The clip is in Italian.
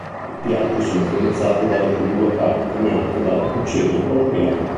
I piatti sono influenzati dalle tribù locali come anche dalla cucina colombiana.